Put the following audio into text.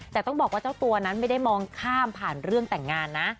แต่ต้องบอกว่าเจ้าตัวนั้นไม่ได้มองข้ามผ่านเรื่องแต่งงานนะ